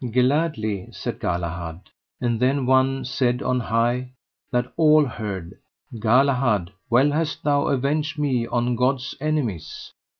Gladly, said Galahad. And then one said on high, that all heard: Galahad, well hast thou avenged me on God's enemies.